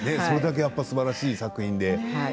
それだけやっぱすばらしい作品で。